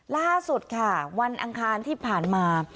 ล่าสุดค่ะวันอังคารที่ผ่านมา